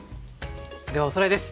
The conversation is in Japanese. ではおさらいです。